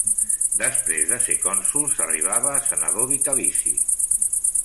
Després de ser cònsol s'arribava a senador vitalici.